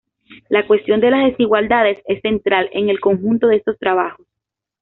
La cuestión de las desigualdades es central en el conjunto de estos trabajos.